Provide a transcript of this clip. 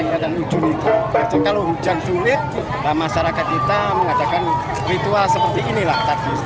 kalau hujan sulit masyarakat kita mengadakan ritual seperti inilah